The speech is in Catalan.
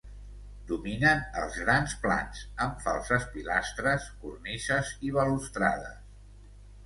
Dominen els grans plans amb falses pilastres cornises i balustrades.